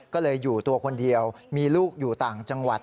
ก็เลยอยู่ตัวคนเดียวมีลูกอยู่ต่างจังหวัด